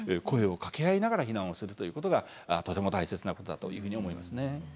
声をかけ合いながら避難をするということがとても大切なことだというふうに思いますね。